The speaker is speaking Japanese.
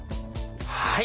はい。